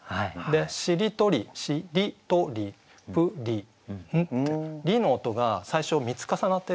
しりとり「しりとり」「プリン」って「り」の音が最初３つ重なってるんですよ。